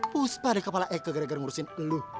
puspa deh kepala eike gara gara ngurusin lo